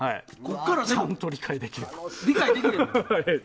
ちゃんと理解できれば。